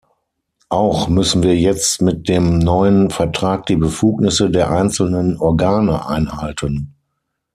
Auch müssen wir jetzt mit dem neuen Vertrag die Befugnisse der einzelnen Organe einhalten.